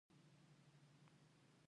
درخانۍ د خپلې ترور په کور